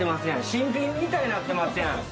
新品みたいになってますやん。